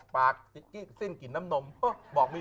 ให้เอาแฟนมานั่งด้วย